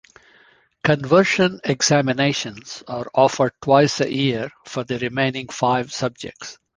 Conversion examinations are offered twice a year for the remaining five subjects.